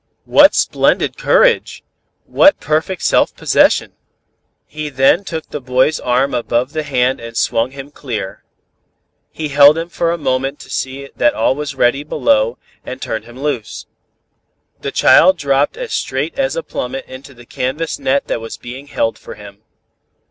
"What splendid courage! What perfect self possession! He then took the boy's arm above the hand and swung him clear. He held him for a moment to see that all was ready below, and turned him loose. "The child dropped as straight as a plummet into the canvas net that was being held for him.